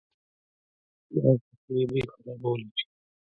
پیاز د خولې بوی خرابولی شي